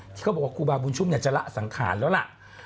ที่เขาบอกกูบาบุญชุมเนี่ยจะละสังขารแล้วล่ะ